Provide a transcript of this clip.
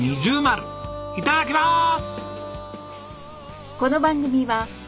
いただきまーす！